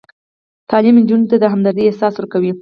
تعلیم نجونو ته د همدردۍ احساس ورکوي.